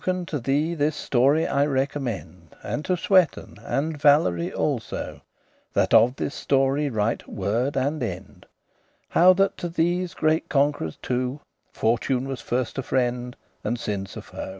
Lucan, to thee this story I recommend, And to Sueton', and Valerie also, That of this story write *word and end* *the whole* <25> How that to these great conquerores two Fortune was first a friend, and since* a foe.